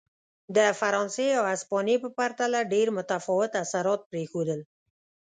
د فرانسې او هسپانیې په پرتله ډېر متفاوت اثرات پرېښودل.